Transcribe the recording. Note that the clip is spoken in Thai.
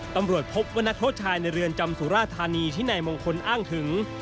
ตำรวจพบว่านักโทษชายในเรือนจำสุราธานีที่นายมงคลอ้างถึง